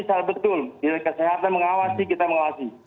secara betul kesehatan mengawasi kita mengawasi